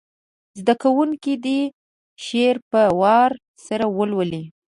زده کوونکي دې شعر په وار سره ولولي.